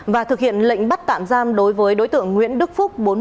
và thực hiện lệnh bắt tạm giam đối với đối tượng nguyễn đức phúc